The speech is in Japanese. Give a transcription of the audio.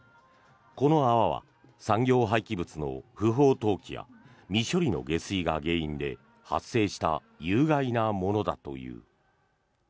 この泡は産業廃棄物の不法投棄や未処理の下水が原因で発生した有害なものだという。